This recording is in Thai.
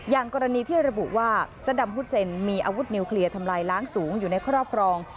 อย่างกรณีที่ระบุว่าจะดำฮุดเซนมีอาวุธนิวเคลียร์ทำลายล้างสูงอยู่ในครอบครอง